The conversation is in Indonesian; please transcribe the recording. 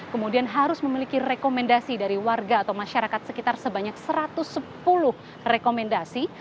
kemudian harus memiliki rekomendasi dari warga atau masyarakat sekitar sebanyak satu ratus sepuluh rekomendasi